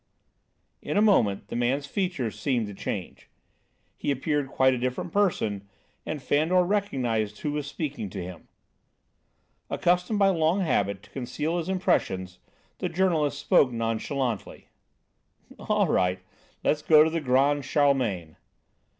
In a moment the man's features seemed to change. He appeared quite a different person and Fandor recognised who was speaking to him. Accustomed by long habit to conceal his impressions, the journalist spoke nonchalantly: "All right; let's go to the 'Grand Charlemagne.'"